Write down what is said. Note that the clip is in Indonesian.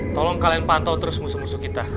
tolong kalian pantau terus musuh musuh kita